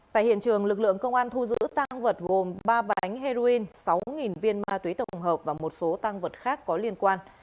tại hiện trường lực lượng công an thu giữ tăng vật gồm ba bánh heroin sáu viên ma túy tổng hợp và một số tăng vật khác có liên quan